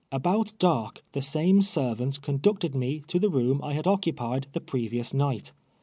Al)out dark the saiuc servant conducted me to the room I had occuj)ied the })revious uii; ht.